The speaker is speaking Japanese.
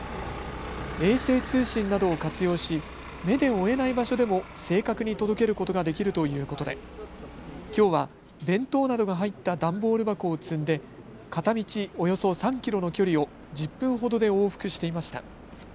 衛星通信などを活用し目で追えない場所でも正確に届けることができるということで、きょうは弁当などが入った段ボール箱を積んで片道およそ３キロの距離を１０分ほどで往復していました。